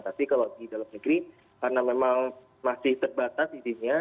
tapi kalau di dalam negeri karena memang masih terbatas izinnya